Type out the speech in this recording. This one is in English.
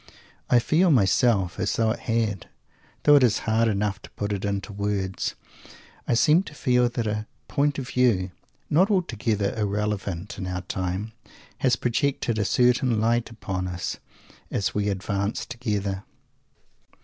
I feel, myself, as though it had, though it is hard enough to put it into words. I seem to feel that a point of view, not altogether irrelevant in our time, has projected a certain light upon us, as we advanced together.